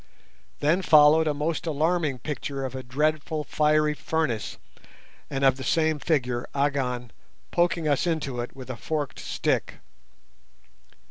Then followed a most alarming picture of a dreadful fiery furnace and of the same figure, Agon, poking us into it with a forked stick.